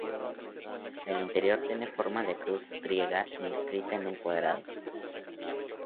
El interior tiene forma de cruz griega inscrita en un cuadrado.